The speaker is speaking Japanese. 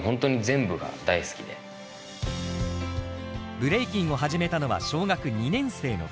ブレイキンを始めたのは小学２年生の時。